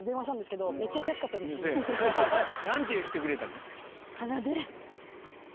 何て言ってくれたの？